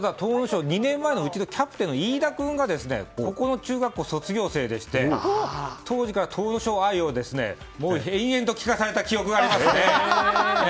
２年前のうちのキャプテンの飯田選手がここの卒業生で当時から東庄愛を延々と聞かされた記憶があります。